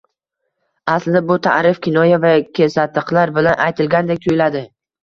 Aslida bu ta`rif kinoya va kesatiqlar bilan aytilgandek tuyuladi